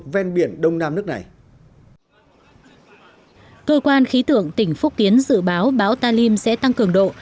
ven biển đông nam nước này cơ quan khí tượng tỉnh phúc kiến dự báo bão talim sẽ tăng cường độ